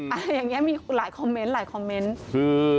อะไรอย่างนี้มีหลายคอมเมนต์